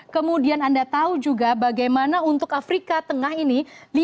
kemudian anda tahu juga bagaimana untuk afrika tengah ini